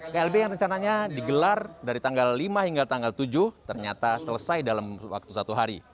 klb yang rencananya digelar dari tanggal lima hingga tanggal tujuh ternyata selesai dalam waktu satu hari